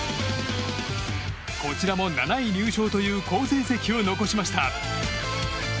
こちらも７位入賞という好成績を残しました。